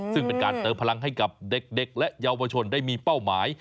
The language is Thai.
ซึ่งเป็นการเติมพลังให้กับเด็กและเยาวชนได้มีเป้าหมาย